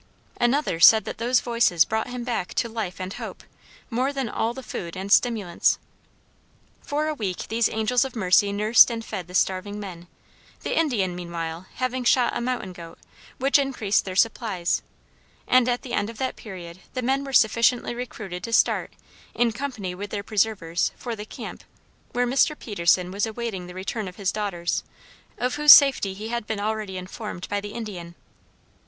Another said that those voices brought him back to life and hope, more than all the food and stimulants. For a week these angels of mercy nursed and fed the starving men, the Indian meanwhile having shot a mountain goat, which increased their supplies, and at the end of that period the men were sufficiently recruited to start, in company with their preservers, for the camp, where Mr. Peterson was awaiting the return of his daughters, of whose safety he had been already informed by the Indian.